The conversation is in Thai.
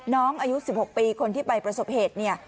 น้องอายุ๑๖ปีคนที่ไปประสบเหตุเนี่ย